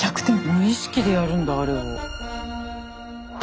無意識でやるんだあれを。